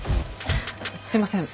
すいません。